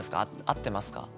合ってますか？